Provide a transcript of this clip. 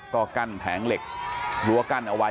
ก็กั้นแผงเหล็กรั้วกั้นเอาไว้